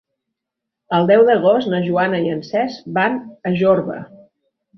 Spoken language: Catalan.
El deu d'agost na Joana i en Cesc van a Jorba.